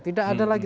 tidak ada lagi